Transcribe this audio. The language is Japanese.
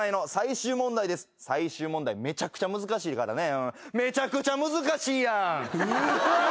最終問題めちゃくちゃ難しいからね。